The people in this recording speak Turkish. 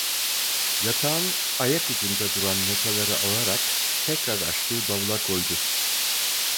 Yatağının ayakucunda duran notaları alarak, tekrar açtığı bavula koydu.